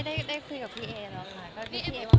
ไม่ได้คุยกับเพียแล้วค่ะ